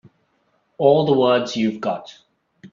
All the words you've got.